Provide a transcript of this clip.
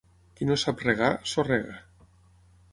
Qui no sap regar, sorrega.